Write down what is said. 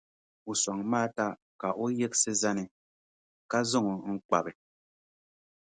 O sɔŋ Maata ka o yiɣisi zani, ka zaŋ o n-kpabi.